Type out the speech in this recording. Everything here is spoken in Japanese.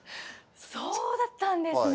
そうだったんですね。